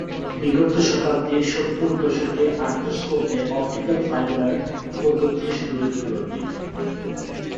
বিগত শতাব্দীর সত্তরদশকে আর্থ্রস্কোপে অপটিক্যাল ফ্যাইবার পদ্ধতির সংযুক্তি ঘটে।